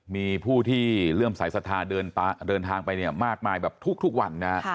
มีผู้ที่เริ่มสายศรัทธาเดินทางไปเนี่ยมากมายแบบทุกวันนะฮะ